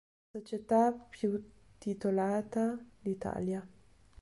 È la società più titolata d'Italia.